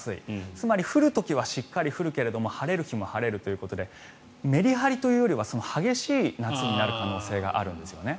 つまり降る時はしっかり降るけれども晴れる日も晴れるということでメリハリというよりは激しい夏になる可能性があるんですね。